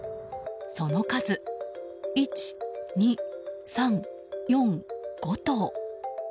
その数１、２、３、４、５頭。